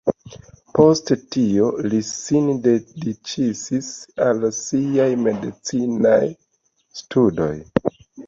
Poste tio li sin dediĉis al siaj medicinaj studoj.